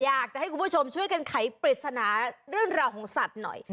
อยากจะให้คุณผู้ชมช่วยกันไขปริศนาเรื่องราวของสัตว์หน่อย